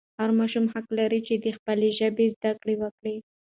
هر ماشوم حق لري چې د خپلې ژبې زده کړه وکړي.